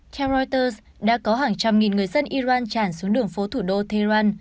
theo reuters đã có hàng trăm nghìn người dân iran tràn xuống đường phố thủ đô tehran